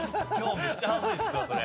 めっちゃ恥ずかしいっすわ、それ。